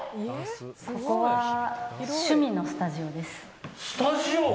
ここは趣味のスタジオです。